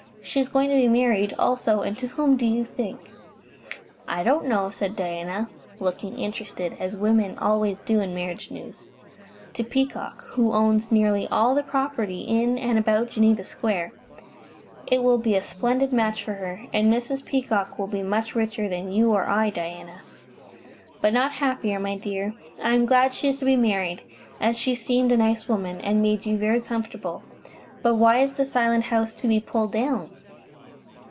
She is going to be married, also, and to whom, do you think?" "I don't know," said Diana, looking interested, as women always do in marriage news. "To Peacock, who owns nearly all the property in and about Geneva Square. It will be a splendid match for her, and Mrs. Peacock, will be much richer than you or I, Diana." "But not happier, my dear. I am glad she is to be married, as she seemed a nice woman, and made you very comfortable. But why is the Silent House to be pulled down?"